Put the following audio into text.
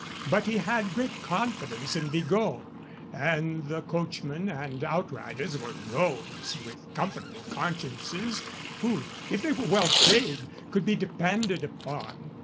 But he had great confidence in Vigot, and the coachman and outriders were rogues with comfortable consciences, who, if they were well paid, could be depended on.